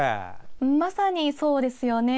まさにそうですよね。